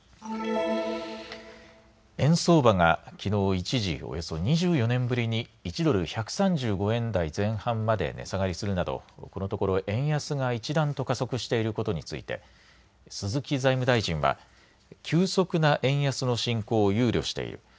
円相場がきのう一時、およそ２４年ぶりに１ドル１３５円台前半まで値下がりするなどこのところ円安が一段と加速していることについて鈴木財務大臣は急速な円安の進行を憂慮している。